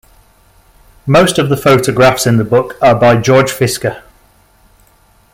Most of the photographs in the book are by George Fiske.